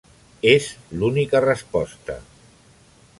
És l'única resposta.